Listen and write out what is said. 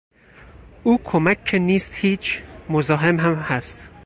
او کمک که نیست هیچ، مزاحم هم هست.